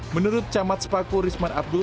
menurut camat sepaku risman abdul